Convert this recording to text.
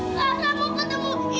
lara mau ketemu ibu